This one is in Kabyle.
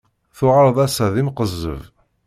Tuɣaleḍ ass-a d imqezzeb.